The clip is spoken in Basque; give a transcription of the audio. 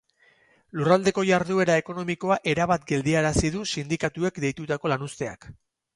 Lurraldeko jarduera ekonomikoa erabat geldiarazi du sindikatuek deitutako lanuzteak.